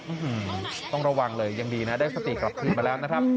ต้องระวังเลยยังดีนะได้สติกลับคืนมาแล้วนะครับ